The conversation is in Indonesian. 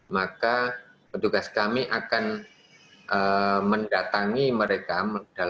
maka petugas kami akan menerjunkan petugas pemungutan suara ke rumah sakit umum dan rumah sakit